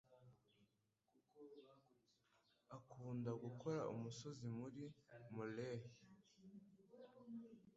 Akunda gukora umusozi muri molehill.